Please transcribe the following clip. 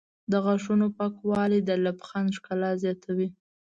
د غاښونو پاکوالی د لبخند ښکلا زیاتوي.